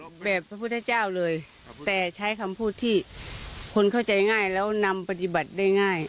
แบบพระพุทธเจ้าเลยแต่ใช้คำพูดที่คนเข้าใจง่ายแล้วนำปฏิบัติได้ง่าย